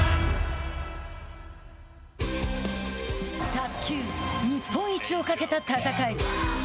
卓球、日本一をかけた戦い。